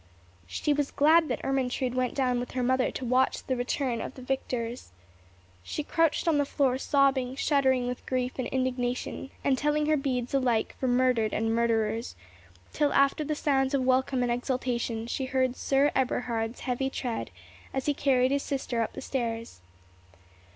She was glad that Ermentrude went down with her mother to watch the return of the victors. She crouched on the floor, sobbing, shuddering with grief and indignation, and telling her beads alike for murdered and murderers, till, after the sounds of welcome and exultation, she heard Sir Eberhard's heavy tread, as he carried his sister up stairs.